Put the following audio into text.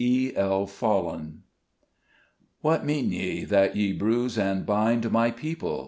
E. L. FOLLEN. " What mean ye, that ye bruise and bind My people